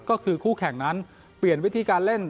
ก็คือคู่แข่งนั้นเปลี่ยนวิธีการเล่น